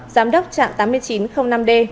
giám đốc trạm tám nghìn chín trăm linh năm d